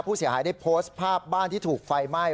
ผู้เสียหายได้โพสต์ภาพบ้านที่ถูกไฟไหม้